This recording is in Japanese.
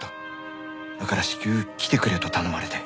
だから至急来てくれと頼まれて。